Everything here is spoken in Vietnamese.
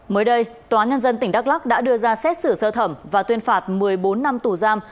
mới đây tòa nhân dân tỉnh đắk lắc đã đưa ra xét xử sơ thẩm và tuyên phạt một mươi bốn năm tù giam